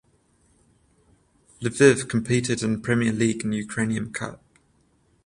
Lviv competed in Premier League and Ukrainian Cup.